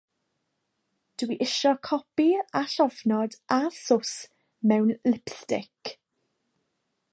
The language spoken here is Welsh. Dwi isio copi â llofnod a sws mewn lipstig.